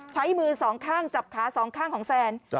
ใช้มือสองข้างจับขาสองข้างของแซน